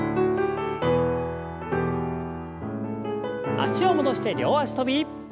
脚を戻して両脚跳び。